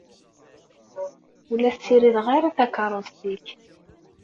Ur la ssirideɣ ara takeṛṛust-ik.